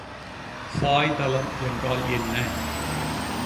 சாய்தளம் என்றால் என்ன?